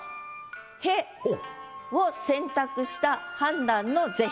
「へ」を選択した判断の是非です。